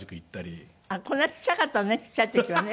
こんなちっちゃかったのねちっちゃい時はね。